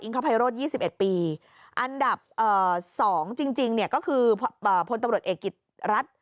ภัยโรธ๒๑ปีอันดับ๒จริงก็คือพลตำรวจเอกกิจรัฐ